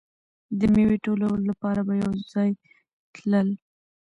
د میوې ټولولو لپاره به یو ځای تلل.